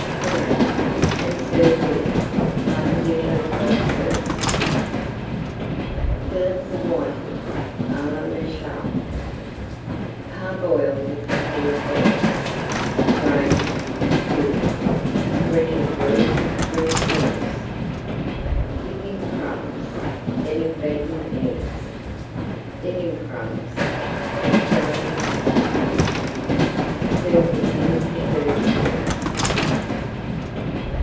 Drain, and serve with Maître d'Hôtel Sauce. FILLETS OF WHITING À LA MARÉCHALE Parboil the prepared fillets, drain, cool, spread with very thick [Page 452] Cream Sauce, dip in crumbs, then in beaten eggs, then in crumbs, and fry in fat to cover. Serve with any preferred sauce.